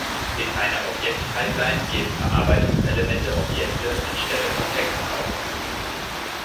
In einer Objektpipeline geben Verarbeitungselemente Objekte anstelle von Text aus.